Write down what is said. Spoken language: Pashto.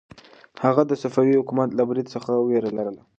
هغه د صفوي حکومت له برید څخه وېره لرله.